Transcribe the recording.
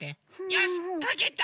よしっかけた！